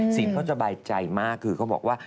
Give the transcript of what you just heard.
สิ่งเขาสบายใจมากคือเขาบอกว่า